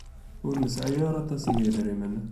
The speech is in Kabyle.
Ur nesɛi ara aṭas n yidrimen.